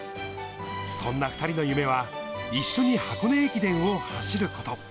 そんな２人の夢は、一緒に箱根駅伝を走ること。